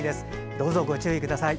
どうぞご注意ください。